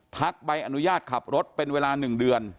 ใบอนุญาตขับรถเป็นเวลา๑เดือน